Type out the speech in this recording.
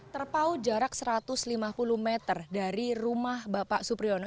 terpau jarak satu ratus lima puluh meter dari rumah bapak supriyono